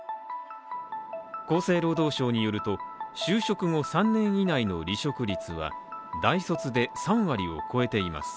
厚生労働省によると就職後、３年以内の離職率は大卒で３割を超えています。